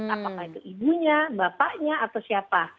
apakah itu ibunya bapaknya atau siapa